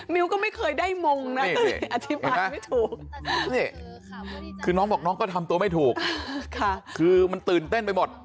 มิวก็ไม่เคยได้มงนะอธิบายไม่ถูกนี่คือน้องบอกน้องก็ทำตัวไม่ถูกค่ะคือมันตื่นเต้นไปหมด